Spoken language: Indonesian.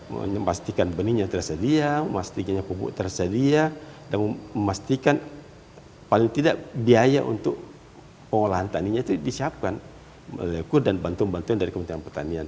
memastikan benihnya tersedia memastikan pupuk tersedia dan memastikan paling tidak biaya untuk pengolahan taninya itu disiapkan